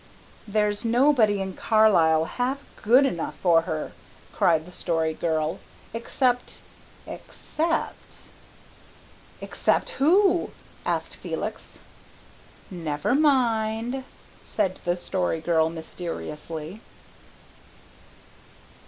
"There's nobody in Carlisle half good enough for her," cried the Story Girl, "except ex cept " "Except who?" asked Felix. "Never mind," said the Story Girl mysteriously.